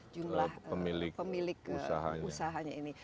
jumlah pemilik usaha ini